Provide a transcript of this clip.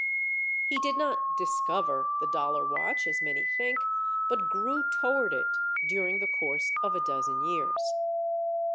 He did not "discover" the dollar watch, as many think, but grew toward it during the course of a dozen years.